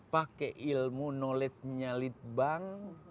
pakai ilmu knowledge nya lead bank